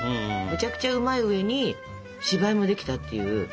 むちゃくちゃうまい上に芝居もできたっていう。